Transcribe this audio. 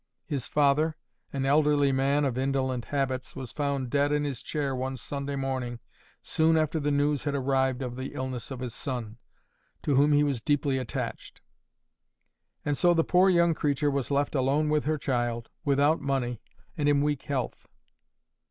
His father, an elderly man of indolent habits, was found dead in his chair one Sunday morning soon after the news had arrived of the illness of his son, to whom he was deeply attached. And so the poor young creature was left alone with her child, without money, and in weak health.